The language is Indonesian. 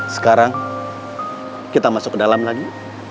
sekarang kita masuk ke dalam lagi